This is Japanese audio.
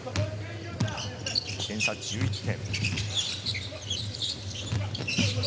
点差１１点。